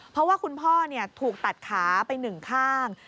เพราะว่าคุณพ่อถูกตัดขาไปหนึ่งข้าง